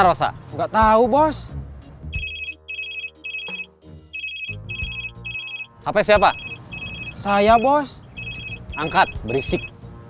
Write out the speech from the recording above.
rasa enggak tahu bos apa siapa saya bos angkat berisik